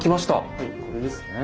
はいこれですね。